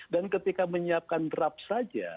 ketika menyiapkan draft saja